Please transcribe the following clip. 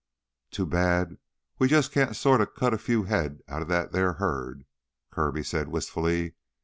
"Too bad we jus' can't sorta cut a few head outta that theah herd," Kirby said wistfully.